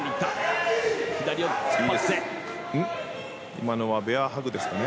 今のはベアハグですかね。